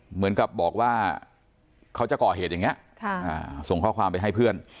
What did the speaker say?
เหมือนกับบอกว่าเขาจะก่อเหตุอย่างนี้ส่งข้อความไปให้เพื่อน